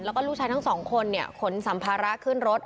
แล้วก็ลูกชายทั้งสองคนเนี่ยขนสัมภาระขึ้นรถ